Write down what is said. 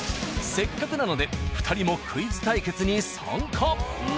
せっかくなので２人もクイズ対決に参加。